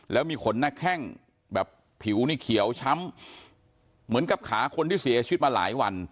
แล้วมีขนหน้าแข้งแบบผิวนี่เขียวช้ำเหมือนกับขาคนที่เสียชีวิตมาหลายวัน